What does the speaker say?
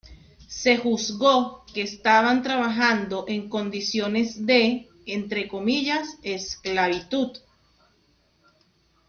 Se juzgó que estaban trabajando en condiciones de "esclavitud".